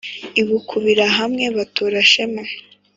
i bukubira-hamwe batura shema